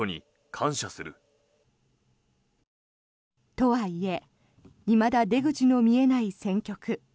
とはいえいまだ出口の見えない戦局。